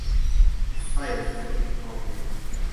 เศรษฐกิจพอเพียง